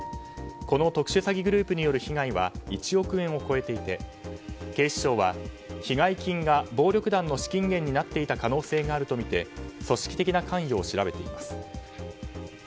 この特殊詐欺グループによる被害は１億円を超えていて警視庁は被害金が暴力団の資金源になっていた可能性があるとみて組織的な関与を調べています。